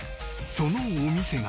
そのお店が